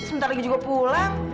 sebentar lagi juga pulang